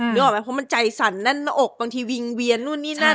นึกออกไหมเพราะมันใจสั่นแน่นหน้าอกบางทีวิงเวียนนู่นนี่นั่น